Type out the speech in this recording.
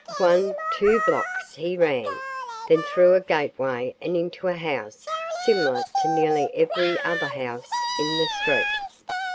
One, two blocks he ran, then through a gateway and into a house similar to nearly every other house in the street.